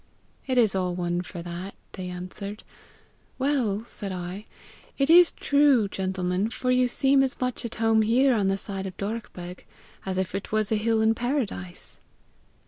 'It is all one for that,' they answered. 'Well,' said I, 'it is true, gentlemen, for you seem as much at home here on the side of Dorrachbeg, as if it was a hill in paradise!'